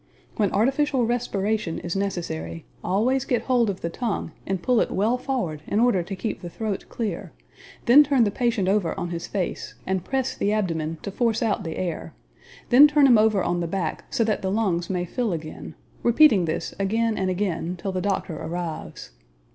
When artificial respiration is necessary, always get hold of the tongue and pull it well forward in order to keep the throat clear, then turn the patient over on his face and press the abdomen to force out the air, then turn him over on the back so that the lungs may fill again, repeating this again and again till the doctor arrives.